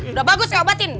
udah bagus saya obatin